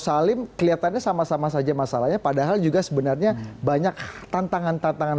salim kelihatannya sama sama saja masalahnya padahal juga sebenarnya banyak tantangan tantangan